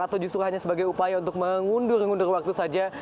atau justru hanya sebagai upaya untuk mengundur ngundur waktu saja